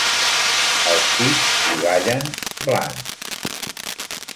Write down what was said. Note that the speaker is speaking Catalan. Els pits li ballen, blans.